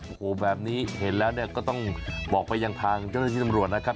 โอ้โหแบบนี้เห็นแล้วเนี่ยก็ต้องบอกไปยังทางเจ้าหน้าที่ตำรวจนะครับ